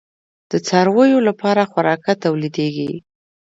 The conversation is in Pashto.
د څارویو لپاره خوراکه تولیدیږي؟